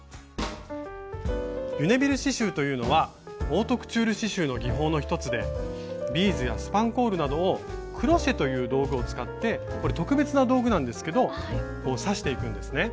リュネビル刺しゅうというのはオートクチュール刺しゅうの技法の一つでビーズやスパンコールなどをクロシェという道具を使ってこれ特別な道具なんですけど刺していくんですね。